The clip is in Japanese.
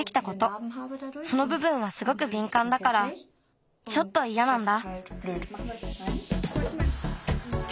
そのぶぶんはすごくびんかんだからちょっといやなんだ。